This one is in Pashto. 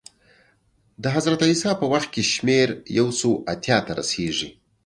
د حضرت عیسی په وخت کې شمېر یو سوه اتیا ته رسېږي